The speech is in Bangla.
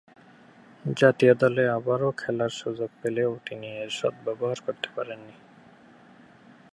জাতীয় দলে আবারও খেলার সুযোগ পেলেও তিনি এর সদ্ব্যবহার করতে পারেননি।